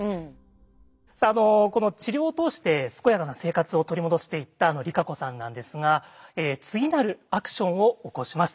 さあこの治療を通して健やかな生活を取り戻していったＲＩＫＡＣＯさんなんですが次なるアクションを起こします。